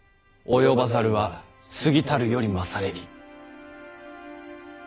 及ばざるは過ぎたるよりまされり」。